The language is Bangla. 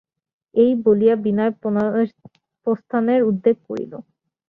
এই বলিয়া বিনয় প্রস্থানের উদ্যোগ করিল।